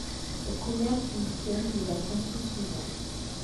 Le commerce fonctionne de la façon suivante.